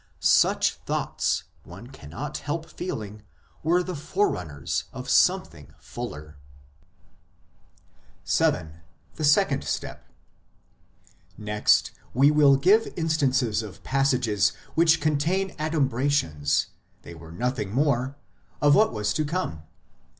Such thoughts, one cannot help feeling, were the forerunners of something fuller. VII. THE SECOND STEP Next we will give instances of passages which contain adumbrations they are nothing more of what was to come.